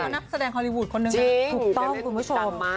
นักแสดงฮอลลีวูดคนหนึ่งถูกต้องคุณผู้ชม